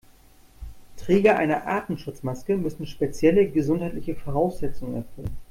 Träger einer Atemschutzmaske müssen spezielle gesundheitliche Voraussetzungen erfüllen.